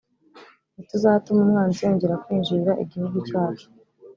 Ntituzatuma umwanzi yongera kwinjirira igihugu cyacu